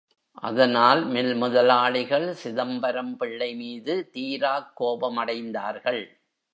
அதனால் மில் முதலாளிகள் சிதம்பரம் பிள்ளை மீது தீராக் கோபமடைந்தார்கள்.